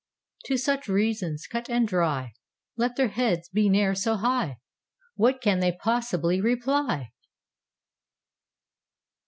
To such reasons cut and dry, Let their heads be ne'er so high, What can they possibly reply?